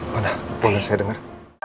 mana boleh saya dengar